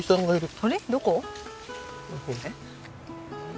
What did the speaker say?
どこ？